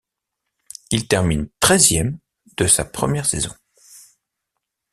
Il termine treizième de sa première saison.